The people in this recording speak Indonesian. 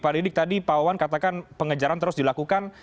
pak didik tadi pak wawan katakan pengejaran terus dilakukan